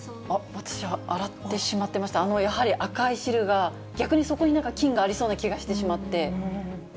私、洗ってしまってました、やはり赤い汁が、逆にそこになんか菌がありそうな気がしてしまって。